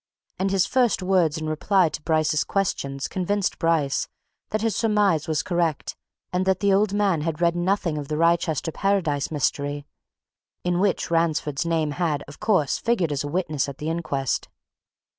And his first words in reply to Bryce's questions convinced Bryce that his surmise was correct and that the old man had read nothing of the Wrychester Paradise mystery, in which Ransford's name had, of course, figured as a witness at the inquest.